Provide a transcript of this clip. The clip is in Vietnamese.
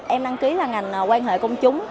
em đăng ký là ngành quan hệ công chúng